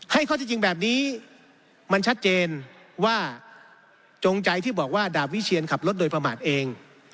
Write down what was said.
ข้อที่จริงแบบนี้มันชัดเจนว่าจงใจที่บอกว่าดาบวิเชียนขับรถโดยประมาทเอง